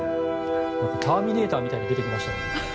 「ターミネーター」みたいに出てきましたね。